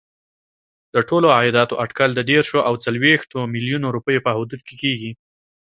د ټولو عایداتو اټکل د دېرشو او څلوېښتو میلیونو روپیو په حدودو کې کېږي.